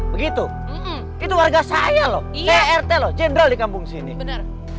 begitu itu warga saya loh iya rt lo general di kampung sini bener